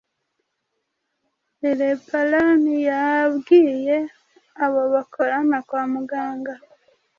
leperan yabwiye abo bakorana kwa muganga